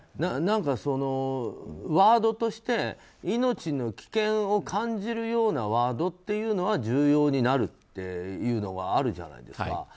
何か、ワードとして命の危険を感じるようなワードというのは重要になるっていうのがあるじゃないですか。